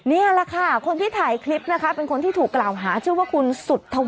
นี่แหละค่ะคนที่ถ่ายคลิปนะคะเป็นคนที่ถูกกล่าวหาชื่อว่าคุณสุธวั